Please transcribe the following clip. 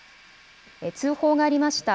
通報がありました